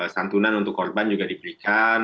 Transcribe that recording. santunan untuk korban juga diberikan